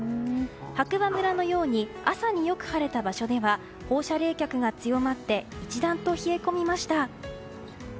白馬村のように朝によく晴れた場所では放射冷却が強まって一段と冷え込みました。